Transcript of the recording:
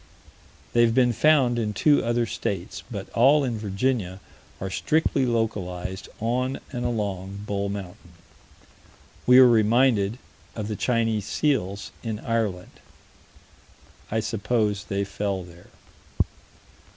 They have been found in two other states, but all in Virginia are strictly localized on and along Bull Mountain. We are reminded of the Chinese seals in Ireland. I suppose they fell there.